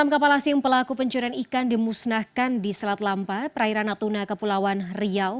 enam kapal asing pelaku pencurian ikan dimusnahkan di selat lampa perairan natuna kepulauan riau